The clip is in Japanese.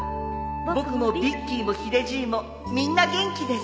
「僕もビッキーもヒデじいもみんな元気です」